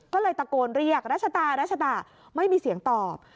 ก็เลยตะโกนเรียกรัชตารัชตะไม่มีเสียงตอบ